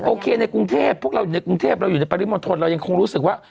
โอเคในกรุงเทพฯพวกเราอยู่ในปริมาณทนเรายังคงรู้สึกว่า